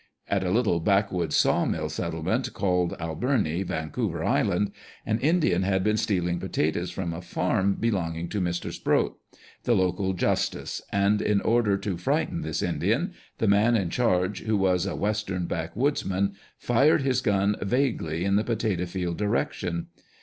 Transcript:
At a little backwoods saw mill settlement called Alberni, Vancouver Island, an Indian had been stealing potatoes from a farm be longing to Mr. Sproat, the local justice, and in order to frighten this Indian, the man in charge, who was a Western backwoods man, fired his gun vaguely in the potatoe field direc tion.